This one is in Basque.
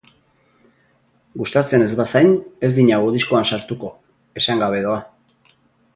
Gustatzen ez bazain ez dinagu diskoan sartuko, esan gabe doa.